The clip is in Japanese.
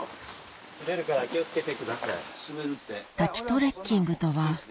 滑るから気を付けてください。